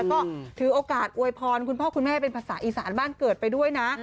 ก็ถือโอกาสอวยพรคุณพ่อคุณแม่เป็นภาษาอีสานบ้านเกิดไปด้วยนะ